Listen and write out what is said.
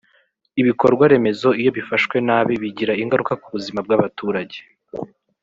Ibikorwaremezo iyo bifashwe nabi bigira ingaruka ku buzima bw’abaturage